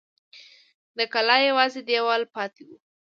د کلا یوازې دېوال پاته و.